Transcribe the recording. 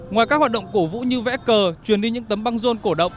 ngoài các hoạt động cổ vũ như vẽ cờ truyền đi những tấm băng rôn cổ động